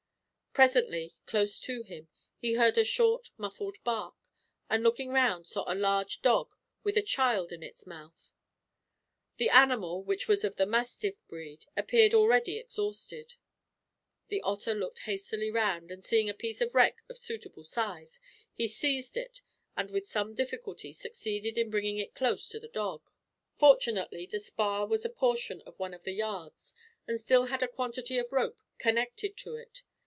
Presently, close to him, he heard a short muffled bark; and, looking round, saw a large dog with a child in its mouth. The animal, which was of the mastiff breed, appeared already exhausted. The Otter looked hastily round and, seeing a piece of wreck of suitable size, he seized it, and with some difficulty succeeded in bringing it close to the dog. Fortunately the spar was a portion of one of the yards, and still had a quantity of rope connected to it.